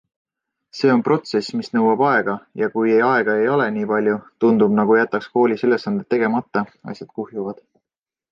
See on protsess, mis nõuab aega, ja kui aega ei ole nii palju, tundub, nagu jätaks koolis ülesanded tegemata, asjad kuhjuvad.